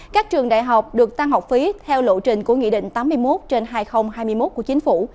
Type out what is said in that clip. các trường đại học được tăng học phí theo lộ trình của nghị định tám mươi một trên hai nghìn hai mươi một của chính phủ